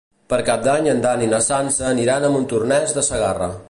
Per Cap d'Any en Dan i na Sança aniran a Montornès de Segarra.